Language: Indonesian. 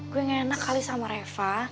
gue gak enak kali sama reva